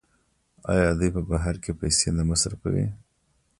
آیا دوی په بهر کې پیسې نه مصرفوي؟